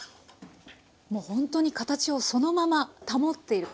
もうほんとに形をそのまま保っている。